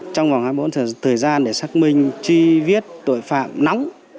trong vòng hai mươi bốn thời gian để xác minh truy viết tội phạm nóng